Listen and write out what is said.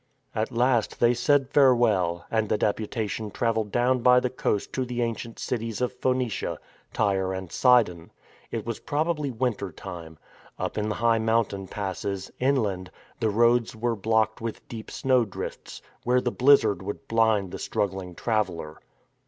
At last they said " farewell," and the deputation travelled down by the coast to the ancient cities of Phoenicia — Tyre and Sidon. It was probably winter time. Up in the high mountain passes — inland — the roads were blocked with deep snowdrifts, where the blizzard would blind the struggling traveller.